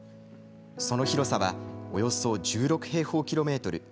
その広さはおよそ１６平方キロメートル。